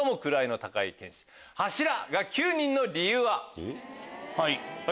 はい。